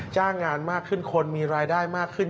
จ้างงานมากขึ้นคนมีรายได้มากขึ้น